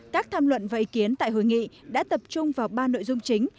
các tham luận và ý kiến tại hội nghị đã tập trung vào ba nội dung chính